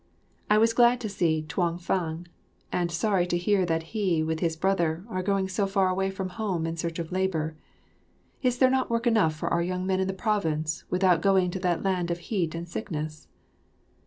I was glad to see Tuang fang, and sorry to hear that he, with his brother, are going so far away from home in search of labour. Is there not work enough for our men in the province without going to that land of heat and sickness?